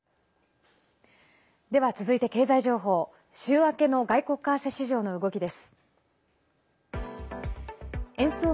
では、続いて経済情報週明けの外国為替市場の動きです。